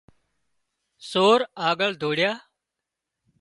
سور آڳۯ ڌوڙيا